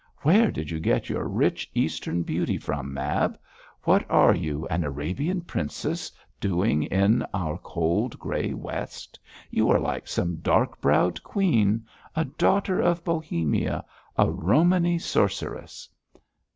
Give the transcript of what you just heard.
Where did you get your rich eastern beauty from, Mab? What are you, an Arabian princess, doing in our cold grey West? You are like some dark browed queen! A daughter of Bohemia! A Romany sorceress!'